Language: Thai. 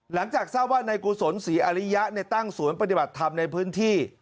หลังจากทราบว่านายกุศลศรีอริยะตั้งศูนย์ปฏิบัติธรรมในพื้นที่